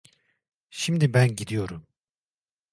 Şimdi ben gidiyorum!